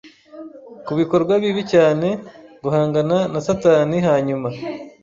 kubikorwa bibi cyane guhangana na Satani hanyuma